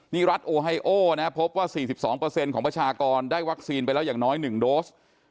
นี่รัฐโอไฮโอนะครับพบว่า๔๒ของประชากรได้วัคซีนไปแล้วอย่างน้อย๑โดส